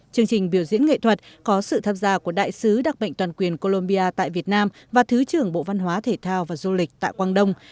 chương trình biểu diễn nghệ thuật có sự tham gia của đại sứ đặc mệnh toàn quyền colombia tại việt nam và thứ trưởng bộ văn hóa thể thao và du lịch tạ quang đông